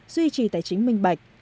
duy trì tài chính minh bạch